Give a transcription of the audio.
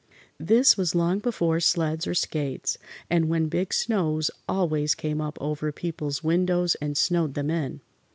This was long before sleds or skates, and when big snows always came up over people's windows and snowed them in.